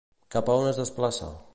Cap a on es desplaça?